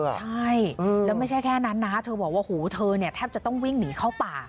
ใช่แล้วไม่ใช่แค่นั้นนะเธอบอกว่าหูเธอเนี่ยแทบจะต้องวิ่งหนีเข้าป่า